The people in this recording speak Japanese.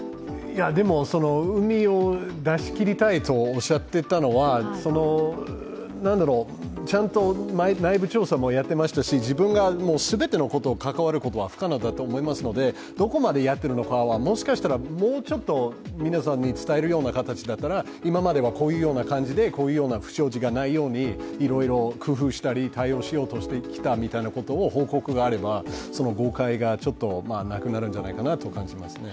うみを出しきりたいとおっしゃっていたのは、ちゃんと内部調査もやってましたし、自分が全てのことに関わることは不可能だと思いますので、どこまでやっているのかはもしかしたらもうちょっと皆さんに伝えるような形だったら、今まではこういう感じでこういうような不祥事がないように、工夫したり対応したりしてきたみたいなことを報告があれば誤解がなくなるんじゃないかなと感じますね。